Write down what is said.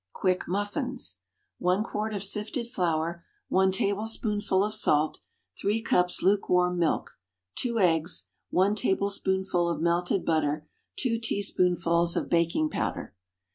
Quick Muffins. One quart of sifted flour. One tablespoonful of salt. Three cups lukewarm milk. Two eggs. One tablespoonful of melted butter. Two teaspoonfuls of baking powder.